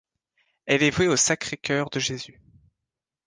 Elle est vouée au Sacré-Cœur de Jésus.